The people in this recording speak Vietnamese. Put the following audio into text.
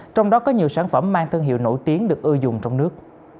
trong đó có nhiều sản phẩm mang thân hiệu nổi tiếng được ưu dùng trong nước